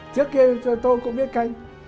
trước kia tôi cũng biết canh